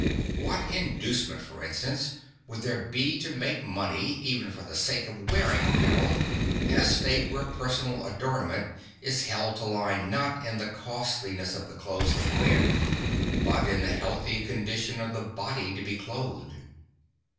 What inducement, for instance, would there be to make money, even for the sake of wearing apparel, in a state where personal adornment is held to lie not in the costliness of the clothes they wear, but in the healthy condition of the body to be clothed?